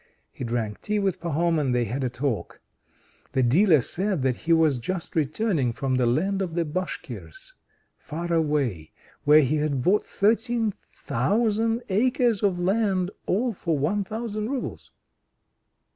He drank tea with Pahom, and they had a talk. The dealer said that he was just returning from the land of the Bashkirs, far away, where he had bought thirteen thousand acres of land all for 1,000 roubles.